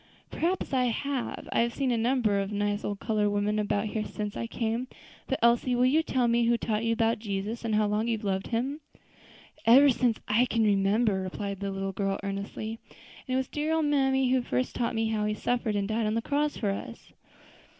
"Perhaps I may. I have seen a number of nice old colored women about here since I came. But, Elsie, will you tell me who taught you about Jesus, and how long you have loved Him?" "Ever since I can remember," replied the little girl earnestly; "and it was dear old mammy who first told me how He suffered and died on the cross for us."